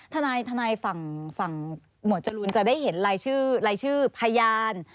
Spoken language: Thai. ฐานายฝั่งหมดจรุนจะได้เห็นรายชื่อพยาน